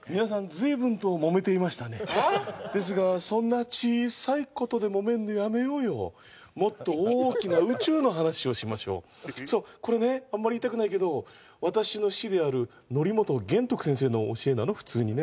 ずいぶんとモメていましたねですがそんな小さいことでモメんのやめようよもっと大きな宇宙の話をしましょうそうこれねあんまり言いたくないけど私の師であるノリモトゲントク先生の教えなの普通にね